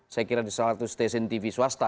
saya kira di salah satu stasiun tv swasta